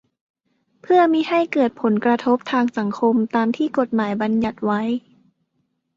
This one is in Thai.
เพื่อมิให้เกิดผลกระทบทางสังคมตามที่กฎหมายบัญญัติไว้